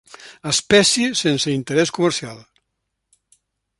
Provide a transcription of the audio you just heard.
Espècie sense interès comercial.